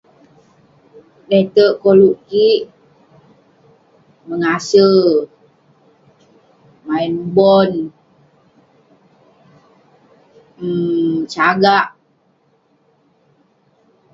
Le'terk koluk kik, mengase, main bon,[um] sagak